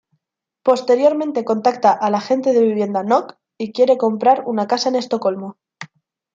Posteriormente contacta al agente de vivienda Knock y quiere comprar una casa en Estocolmo.